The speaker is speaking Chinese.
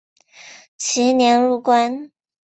其年入关。